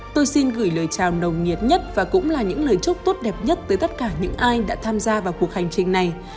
tôi xin gửi lời chào nồng nhiệt nhất và cũng là những lời chúc tốt đẹp nhất tới tất cả những ai đã tham gia vào cuộc hành trình này